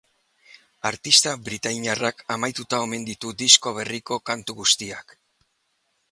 Artista britainiarrak amaituta omen ditu disko berriko kantu guztiak.